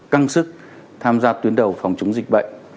căng sức tham gia tuyến đầu phòng chống dịch bệnh